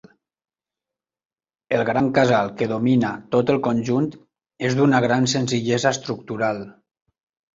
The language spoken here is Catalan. El gran casal que domina tot el conjunt és d'una gran senzillesa estructural.